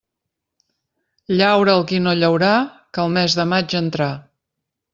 Llaure el qui no llaurà, que el mes de maig entrà.